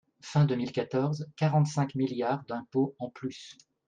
Fin deux mille quatorze, quarante-cinq milliards d’impôts en plus